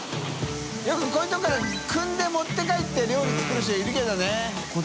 茲こういうとこからくんで持って帰って鼠〔Ｓ〕遒訖いるけどね。